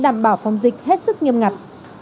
đảm bảo phòng dịch hết sức nghiêm ngặt